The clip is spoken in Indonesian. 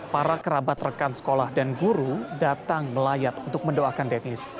para kerabat rekan sekolah dan guru datang melayat untuk mendoakan dennis